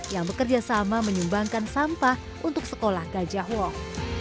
yang bekerja sama menyumbangkan sampah untuk sekolah gajah wong